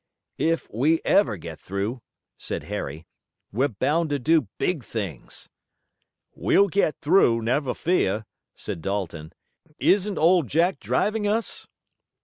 "If we ever get through," said Harry, "we're bound to do big things." "We'll get through, never fear," said Dalton. "Isn't Old Jack driving us?"